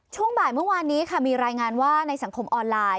ช่วงบ่ายเมื่อวานนี้ค่ะมีรายงานว่าในสังคมออนไลน์